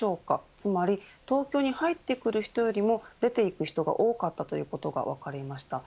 つまり東京に入ってくる人よりも出て行く人が多かったということが分かりました。